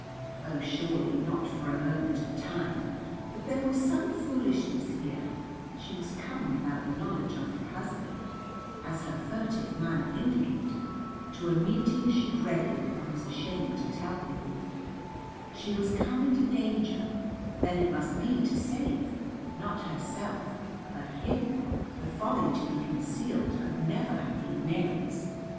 Oh, surely not for a moment of time. But there was some foolishness here; she was come without the knowledge of her husband, as her furtive manner indicated, to a meeting she dreaded and was ashamed to tell him of; she was come into danger; then it must be to save, not herself but him; the folly to be concealed could never have been Mary's.